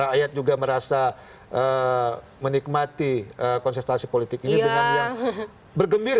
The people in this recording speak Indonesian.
rakyat juga merasa menikmati kontestasi politik ini dengan yang bergembira